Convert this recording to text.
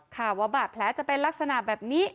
ข่าวว่าบาดแผลจะเป็นลักษณะแบบนี้